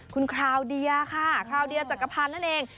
คุณคราวเดียค่ะคราวเดียจักรพันธ์นั่นเอง